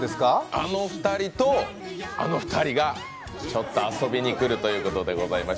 あの２人とあの２人が遊びに来るということでございます。